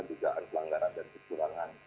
juga anggaran dan kekurangan